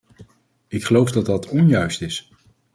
Ik geloof dat dat onjuist is.